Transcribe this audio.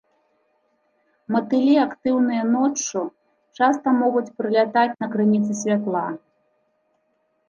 Матылі актыўныя ноччу, часта могуць прылятаць на крыніцы святла.